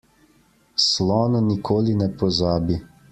Slon nikoli ne pozabi.